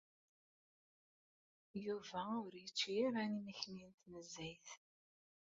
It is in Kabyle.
Yuba ur yečči ara imekli n tnezzayt.